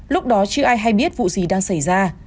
lúc đó chưa ai hay biết vụ gì đang xảy ra